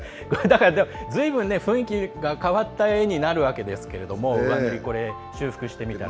ずいぶん、雰囲気が変わった絵になるわけですけれども上塗り、修復してみたら。